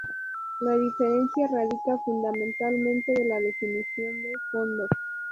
La diferencia radica fundamentalmente de la definición de "fondos".